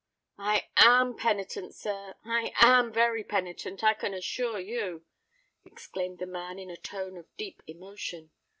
"I am penitent, sir—I am very penitent, I can assure you," exclaimed the man, in a tone of deep emotion.